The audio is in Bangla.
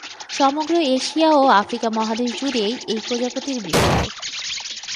সমগ্র এশিয়া ও আফ্রিকা মহাদেশ জুড়েই এই প্রজাপতির বিস্তার।